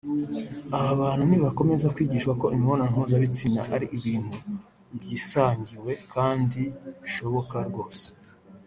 Aba bantu nibakomeza kwigishwa ko imibonano mpuza bitsina ari ibintu byisangiwe kandi bishoboka rwose